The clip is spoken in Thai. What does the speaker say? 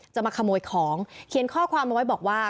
จะมาขโมยของเขียนข้อความเอาไว้บอกว่า